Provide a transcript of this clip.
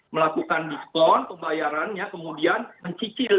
melakukan diskon pembayarannya kemudian mencicil